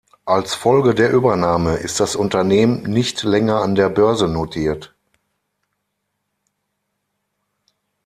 Als Folge der Übernahme ist das Unternehmen nicht länger an der Börse notiert.